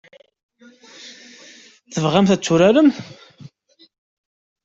Tebɣamt ad tt-turaremt?